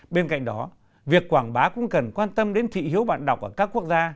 bên cạnh đó việc quảng bá cũng cần quan tâm đến thị hiếu bạn đọc ở các quốc gia